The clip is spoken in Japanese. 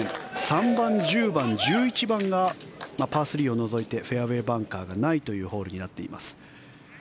３番、１０番、１１番がパー３を除いてフェアウェーバンカーがないというホールになっています。